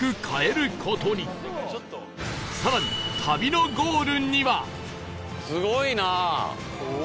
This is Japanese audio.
更に旅のゴールには